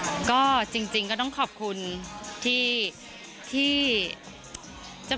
ค่ะก็จริงต้องขอบคุณที่บอกว่าเอ้ย